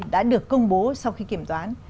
đã được công bố sau khi kiểm toán